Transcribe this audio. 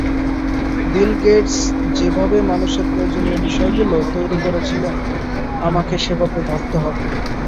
বিল Gates যেভাবে মানুষের প্রয়োজনীয় বিষয়গুলো তৈরি করেছিলেন আমাকে সেভাবে ভাবতে হবে।